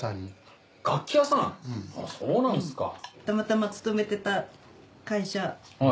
たまたま勤めてた会社。